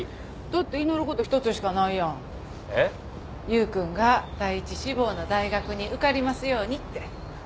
優君が第１志望の大学に受かりますようにって。